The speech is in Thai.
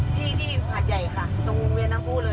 ที่ที่หาดใหญ่ค่ะตรงเวียนฮู้เลย